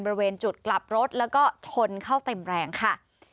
บริเวณจุดกลับรถแล้วก็ชนเข้าเต็มแรงค่ะ